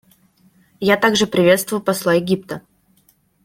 Я также приветствую посла Египта.